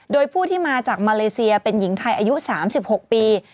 โดยผู้ที่มาจากมาเลเซียเป็นหญิงไทยอายุ๓๖ปี